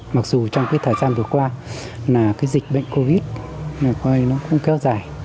mặc dù trong cái thời gian vừa qua là cái dịch bệnh covid nó không kéo dài